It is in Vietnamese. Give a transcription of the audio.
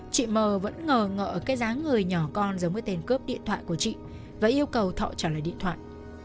chị mờ vẫn ngờ ngợ ở cái dáng người nhỏ con giống với tên cướp điện thoại của chị và yêu cầu thọ trả lại điện thoại